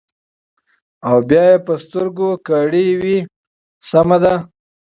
او بيا يې پۀ سترګو کړې وې سمه ده ـ